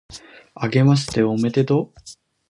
あけましておめでとう